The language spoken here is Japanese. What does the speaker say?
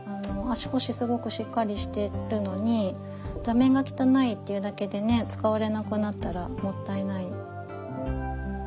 足腰すごくしっかりしてるのに座面が汚いっていうだけで使われなくなったらもったいない。